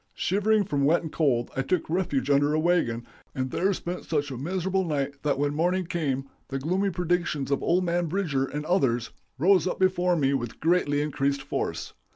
Shivering from wet and cold, I took refuge under a wagon, and there spent such a miserable night that when morning came the gloomy predictions of old man Bridger and others rose up before me with greatly increased force.